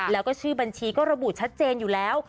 แล้วก็ชื่อบัญชีก็ระบุชัดเจนอยู่แล้ว